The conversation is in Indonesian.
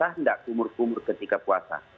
sah nggak umur umur ketika puasa